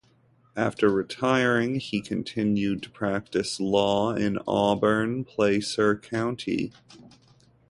After retiring, he continued to practice law in Auburn, Placer County.